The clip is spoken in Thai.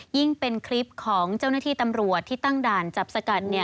ยิ่งเป็นคลิปของเจ้าหน้าที่ตำรวจที่ตั้งด่านจับสกัด